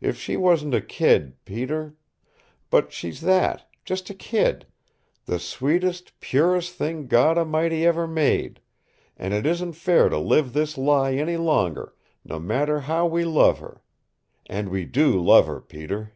If she wasn't a kid, Peter! But she's that just a kid the sweetest, purest thing God A'mighty ever made, and it isn't fair to live this lie any longer, no matter how we love her. And we do love her, Peter."